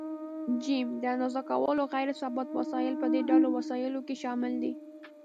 ج: د اندازه کولو غیر ثابت وسایل: په دې ډله وسایلو کې شامل دي.